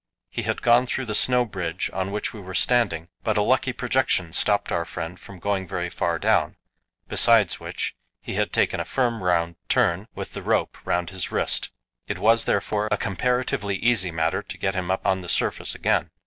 He had gone through the snow bridge on which we were standing, but a lucky projection stopped our friend from going very far down, besides which he had taken a firm round turn with the rope round his wrist. It was, therefore, a comparatively easy matter to get him up on the surface again.